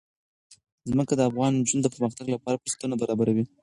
ځمکه د افغان نجونو د پرمختګ لپاره فرصتونه برابروي.